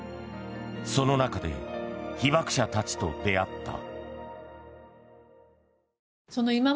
その中で被爆者たちと出会った。